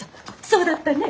そうだったね。